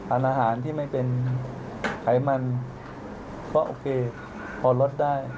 อาหารที่ไม่เป็นไขมันก็โอเคพอลดได้